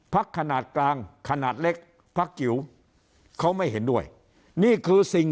ขนาดกลางขนาดเล็กพักจิ๋วเขาไม่เห็นด้วยนี่คือสิ่ง